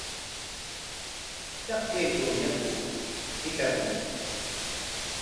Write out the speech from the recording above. ¿Pitaq kaytraw yaku hitrarqun?